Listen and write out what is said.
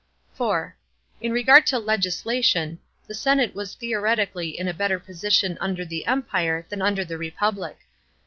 (4) In regard to legislation the senate was theoretically in a better position under the Empire than under the Republic.